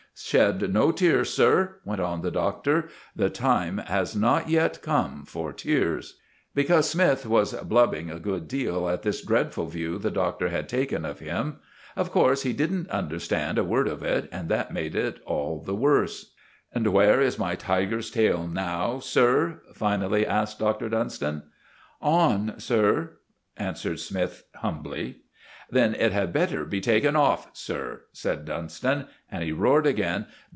Shed no tears, sir," went on the Doctor; "the time has not yet come for tears." Because Smythe was blubbing a good deal at this dreadful view the Doctor had taken of him. Of course he didn't understand a word of it, and that made it all the worse. "And where is my tiger's tail now, sir?" finally asked Dr. Dunstan. "On, sir," answered Smythe humbly. "Then it had better be taken off, sir!" said Dunstan, and he roared again.